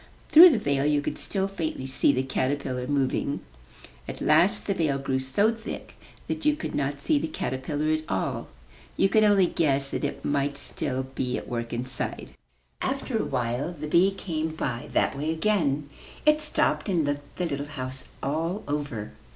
Through the veil you could still faintly see the caterpillar moving. At last the veil grew so thick that you could not see the caterpillar at all. You could only guess that it might still be at work inside. After a while the bee came by that way again. It stopped and looked the little house all over.